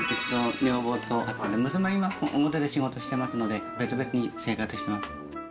女房とあと娘、今、表で仕事してますので、別々に生活してます。